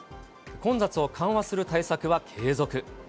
混雑を緩和する対策は継続。